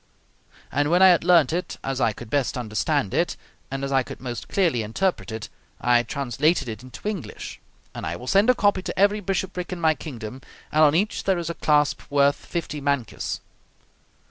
And when I had learnt it as I could best understand it, and as I could most clearly interpret it, I translated it into English; and I will send a copy to every bishopric in my kingdom; and on each there is a clasp worth fifty mancus.